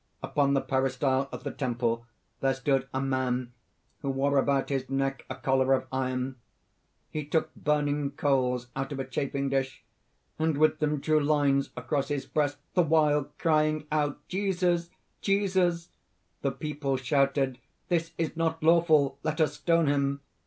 "Upon the peristyle of the temple, there stood a man who wore about his neck a collar of iron. He took burning coals out of a chafing dish, and with them drew lines across his breast, the while crying out 'Jesus! Jesus!' The people shouted 'This is not lawful! let us stone him!'